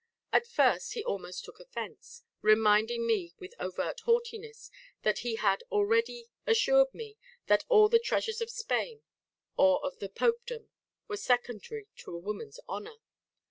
At first he almost took offence, reminding me with overt haughtiness that he had already assured me that all the treasures of Spain or of the Popedom were secondary to a woman's honour.